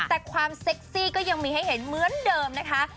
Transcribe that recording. แต่ความเซ็กซี่ก็ยังมีให้เห็นเหมือนเดิมนะคะ